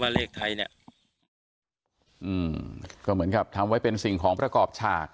เลขไทยเนี้ยอืมก็เหมือนกับทำไว้เป็นสิ่งของประกอบฉาก